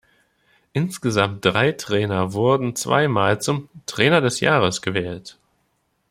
Insgesamt drei Trainer wurden zwei Mal zum "Trainer des Jahres" gewählt.